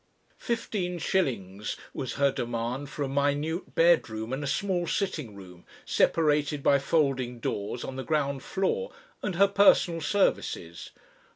Fifteen shillings was her demand for a minute bedroom and a small sitting room, separated by folding doors on the ground floor, and her personal services.